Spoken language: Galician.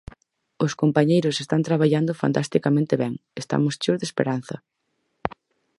Os compañeiros están traballando fantasticamente ben, estamos cheos de esperanza.